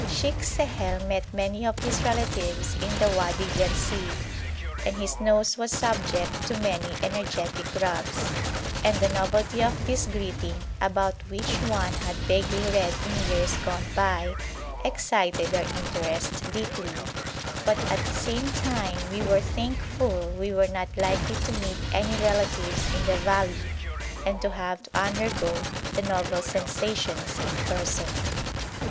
Sheikh Sehel met many of his relatives in the Wadi Ghersìd, and his nose was subject to many energetic rubs, and the novelty of this greeting, about which one had vaguely read in years gone by, excited our interest deeply, but at the same time we were thankful we were not likely to meet any relatives in the valley, and to have to undergo the novel sensations in person.